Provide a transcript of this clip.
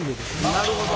なるほど。